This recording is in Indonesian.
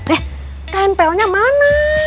eh kain pelnya mana